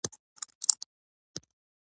له ماسره مرسته وکړه.